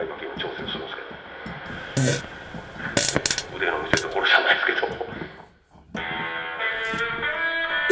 腕の見せどころじゃないですけど。